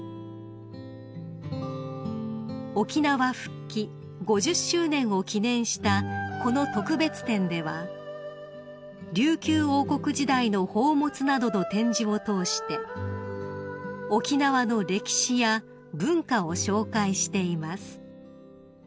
［沖縄復帰５０周年を記念したこの特別展では琉球王国時代の宝物などの展示を通して沖縄の歴史や文化を紹介しています］